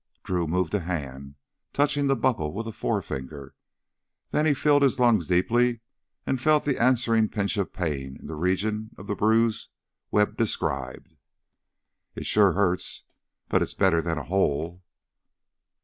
Drew moved a hand, touching the buckle with a forefinger. Then he filled his lungs deeply and felt the answering pinch of pain in the region of the bruise Webb described. "It sure hurts! But it's better than a hole."